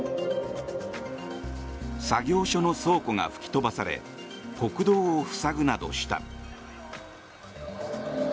作業所の倉庫が吹き飛ばされ国道を塞ぐなどした。